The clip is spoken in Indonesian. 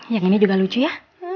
yang ini juga lucu ya